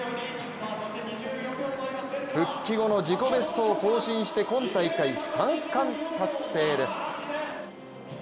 復帰後の自己ベストを更新して今大会３冠達成です。